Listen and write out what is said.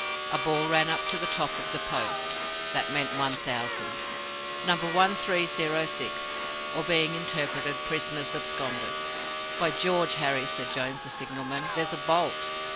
A ball ran up to the top of the post. That meant ONE THOUSAND. Number 1306, or, being interpreted, "PRISONERS ABSCONDED". "By George, Harry," said Jones, the signalman, "there's a bolt!"